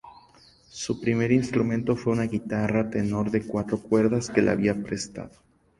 Su primer instrumento fue una guitarra tenor de cuatro cuerdas que le habían prestado.